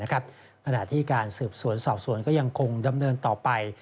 ขณะที่การสืบสวนสอบสวนก็ยังคงดำเนินต่อไป